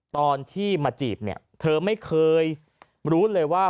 ตอนที่มาจีบเนี่ยเธอไม่เคยรู้เลยว่า